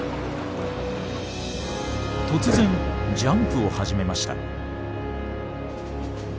突然ジャンプを始めました。